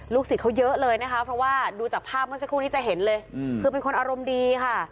สิทธิ์เขาเยอะเลยนะคะเพราะว่าดูจากภาพเมื่อสักครู่นี้จะเห็นเลยคือเป็นคนอารมณ์ดีค่ะ